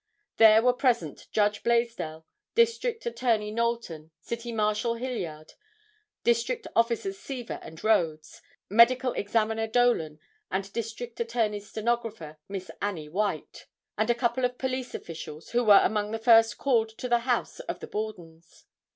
There were present Judge Blaisdell, District Attorney Knowlton, City Marshal Hilliard, District Officers Seaver and Rhodes, Medical Examiner Dolan, the District Attorney's stenographer, Miss Annie White, and a couple of police officials, who were among the first called to the house of the Bordens.